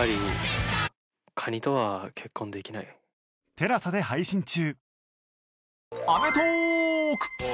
ＴＥＬＡＳＡ で配信中